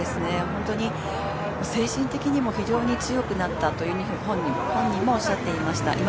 本当に精神的にも非常に強くなったと本人もおっしゃっていました。